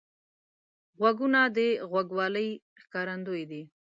غوږونه د غوږوالۍ ښکارندوی دي